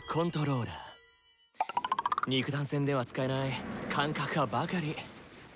肉弾戦では使えない感覚派ばかり！